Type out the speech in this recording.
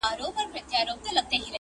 جادوګر دانې را وایستې دباندي!!